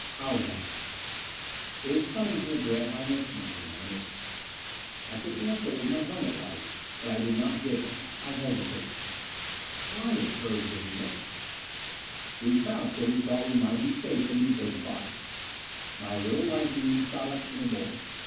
"Haljan." It was coming from the Grantline instrument room, I knew. I could answer it with my helmet light, but I did not dare. I hesitated. "Try it," urged Anita. We crouched where we thought we might be safe from Miko's fire. My little light beam shot up from the bowl.